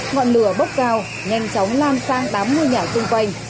ngọn lửa bốc cao nhanh chóng lan sang tám ngôi nhà xung quanh